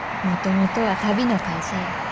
もともとは足袋の会社や。